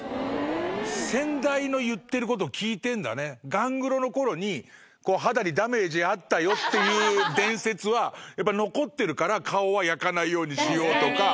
ガングロのころに肌にダメージあったよっていう伝説は残ってるから顔は焼かないようにしようとか。